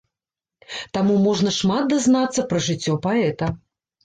Таму можна шмат дазнацца пра жыццё паэта.